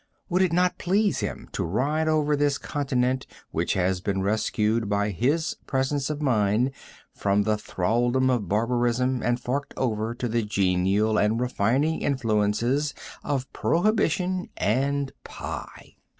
Would it not please him to ride over this continent which has been rescued by his presence of mind from the thraldom of barbarism and forked over to the genial and refining influences of prohibition and pie?